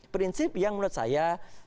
prinsip yang menurut saya